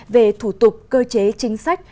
về thủ tục cơ chế chính sách